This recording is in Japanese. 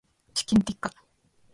チキンティッカ